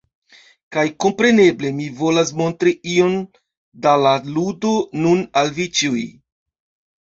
Kaj kompreneble, mi volas montri iom da la ludo nun al vi ĉiuj.